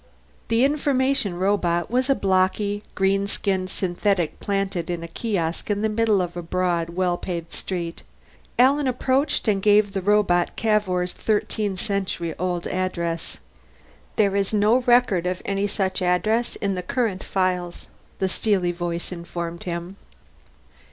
The information robot was a blocky green skinned synthetic planted in a kiosk in the middle of a broad well paved street. Alan approached and gave the robot Cavour's thirteen century old address. "There is no record of any such address in the current files," the steely voice informed him.